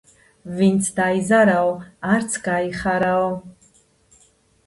ვინც დაიზარაო, არც გაიხარაო